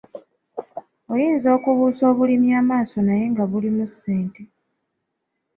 Oyinza okubuusa obulimi amaaso naye nga mulimu ssente.